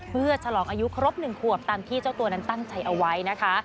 เพื่อฉลองอายุครบ๑ขวบตามที่เจ้าตัวนั้นตั้งใจเอาไว้นะคะ